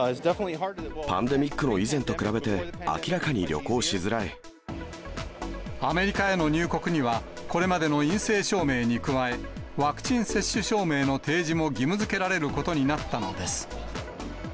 パンデミックの以前と比べて、アメリカへの入国には、これまでの陰性証明に加え、ワクチン接種証明の提示も義務づけられることになったのです。